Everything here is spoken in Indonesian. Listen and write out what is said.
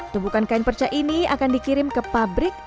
tumpukan kain perca ini akan dikirim ke pabrik